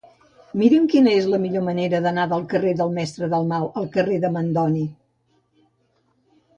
Mira'm quina és la millor manera d'anar del carrer del Mestre Dalmau al carrer de Mandoni.